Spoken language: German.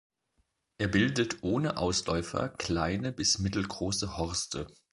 Er bildet ohne Ausläufer kleine bis mittelgroße Horste.